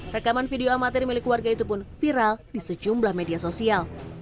rekaman video amatir milik warga itu pun viral di sejumlah media sosial